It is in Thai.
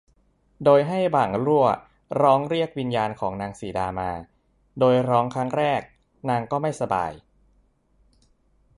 โดยให้บ่างลั่วร้องเรียกวิญญาณของนางสีดามา โดยร้องครั้งแรกนางก็ไม่สบาย